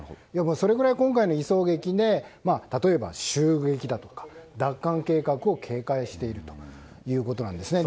それくらい今回の移送劇で例えば、襲撃だとか奪還計画を警戒しているということです。